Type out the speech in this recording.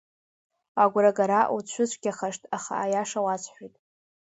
Агәрагара уцәыцәгьахашт, аха аиаша уасҳәоит.